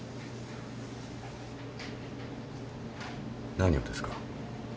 何をですか？